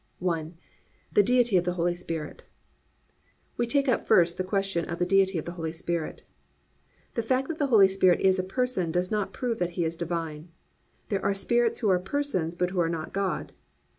I. THE DEITY OF THE HOLY SPIRIT We take up first the question of the Deity of the Holy Spirit. The fact that the Holy Spirit is a person does not prove that He is divine. There are spirits who are persons but who are not God.